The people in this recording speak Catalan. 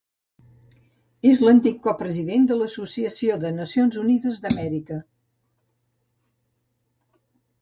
És l'antic copresident de l'Associació de Nacions Unides d'Amèrica.